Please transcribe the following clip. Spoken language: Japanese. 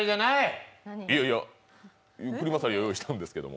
いやいや、クリマサリを用意したんですけど。